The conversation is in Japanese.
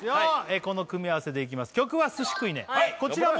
この組み合わせでいきます